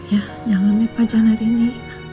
ya jangan nih pak jangan hari ini